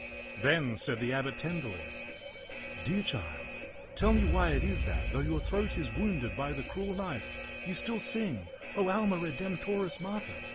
Then said the abbot tenderly, " Dear child, tell me why it is that, though your throat is 84 t^t ^xxoxtB&'B tak wounded by the cruel knife, you still sing, O Alma Redemptoris Mater?